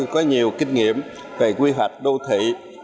có nhiều kinh nghiệm về quy hoạch đô thị